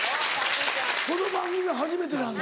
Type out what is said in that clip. この番組初めてなんだ。